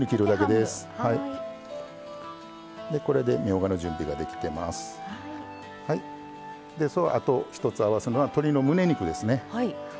でそのあと一つ合わせるのは鶏のむね肉ですね。